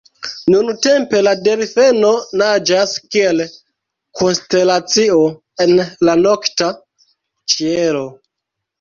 Nuntempe la Delfeno naĝas kiel konstelacio en la nokta ĉielo.